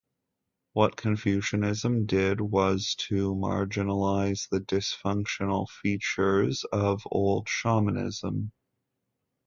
What Confucianism did was to marginalise the "dysfunctional" features of old shamanism.